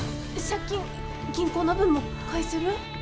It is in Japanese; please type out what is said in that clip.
借金銀行の分も返せる？